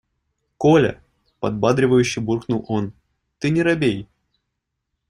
– Коля, – подбадривающе буркнул он, – ты не робей.